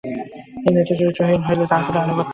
নেতা চরিত্রহীন হইলে তাহার প্রতি আনুগত্য সম্ভব নয়।